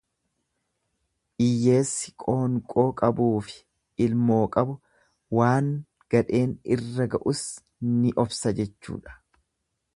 lyyeessi qoonqoo qabuufi ilmoo qabu waan gadheen ira ga'us ni obsa, jechuudha.